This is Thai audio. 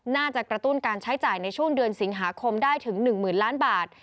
กระตุ้นการใช้จ่ายในช่วงเดือนสิงหาคมได้ถึง๑๐๐๐ล้านบาท